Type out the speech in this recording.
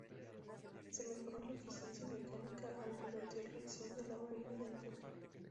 Se mejoró la eficiencia mecánica al revertir la acción de la varilla de empuje.